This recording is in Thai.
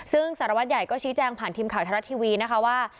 ซึ่งสารวัตรใหญ่ก็ชี้แจงผ่านทีมข่าวไทยรัฐทีวีนะคะว่า